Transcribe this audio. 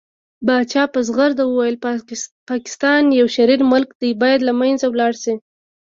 پاچا په ځغرده وويل پاکستان يو شرير ملک دى بايد له منځه ولاړ شي .